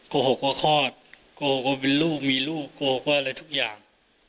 โกหกว่าคลอดโกก็เป็นลูกมีลูกโกก็อะไรทุกอย่าง